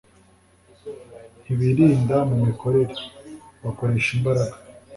Ntibirinda mu mikorere. Bakoresha imbaraga